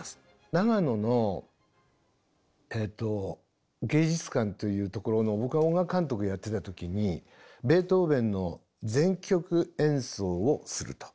長野の芸術館というところの僕は音楽監督やってた時にベートーヴェンの全曲演奏をすると。